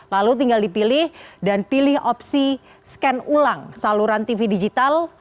lalu tinggal dipilih dan pilih opsi scan ulang saluran tv digital